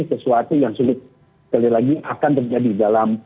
sesuatu yang sulit sekali lagi akan terjadi dalam